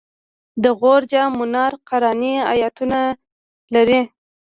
د غور جام منار قرآني آیتونه لري